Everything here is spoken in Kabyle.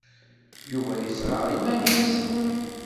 Yuba yessɣer iman-nnes.